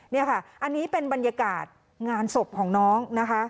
นี่ค่ะอันนี้เป็นบรรยากาศงานศพของน้องนะคะ